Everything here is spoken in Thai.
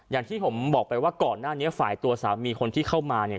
อย่างที่ผมบอกไปว่าก่อนหน้านี้ฝ่ายตัวสามีคนที่เข้ามาเนี่ย